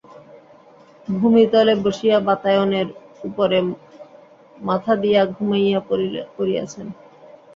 ভূমিতলে বসিয়া, বাতায়নের উপরে মাথা দিয়া ঘুমাইয়া পড়িয়াছেন।